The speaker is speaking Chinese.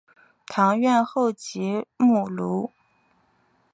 堂院后即为墓庐。